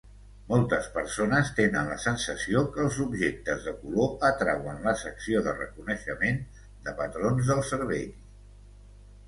Moltes persones tenen la sensació que els objectes de color atrauen la secció de reconeixement de patrons del cervell.